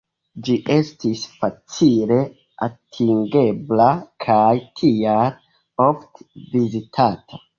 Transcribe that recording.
Ĝi estis facile atingebla kaj tial ofte vizitata.